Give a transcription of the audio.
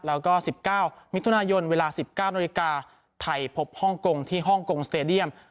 แล้วก็สิบเก้ามิดทุนายนเวลาสิบเก้านโอกาสไทยพบฮ่องโกงที่ฮ่องโกงสเตรเดียม